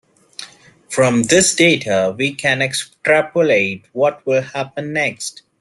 From this data, we can extrapolate what will happen next.